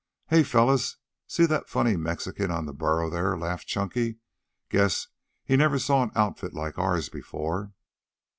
"Hey, fellows, see that funny Mexican on the burro there," laughed Chunky. "Guess he never saw an outfit like ours before."